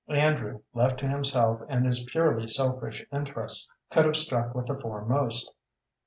Andrew, left to himself and his purely selfish interests, could have struck with the foremost.